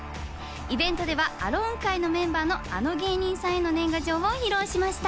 イベントではアローン会のメンバーのあの芸人さんへの年賀状を披露しました。